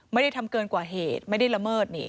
ไม่ได้ทำเกินกว่าเหตุไม่ได้ละเมิดนี่